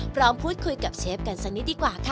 พร้อมพูดคุยกับเชฟกันสักนิดดีกว่าค่ะ